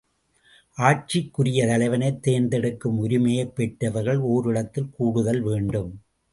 ஆட்சிக்குரிய தலைவனைத் தேர்ந்தெடுக்கும் உரிமையைப் பெற்றவர்கள் ஒரிடத்தில் கூடுதல் வேண்டும்.